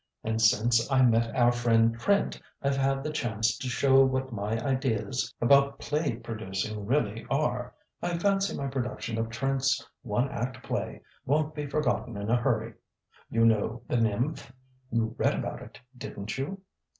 And since I met our friend Trent, I've had the chance to show what my ideas about play producing really are. I fancy my production of Trent's one act play won't be forgotten in a hurry.... You know 'The Nymph?' You read about it, didn't you?"